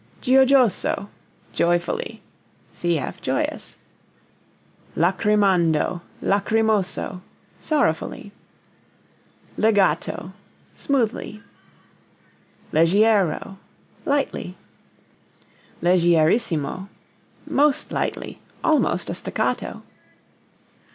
Giojoso joyfully, (cf. joyous). Lacrimando, lacrimoso sorrowfully. Legato smoothly. Leggiero lightly. Leggierissimo most lightly; almost a staccato.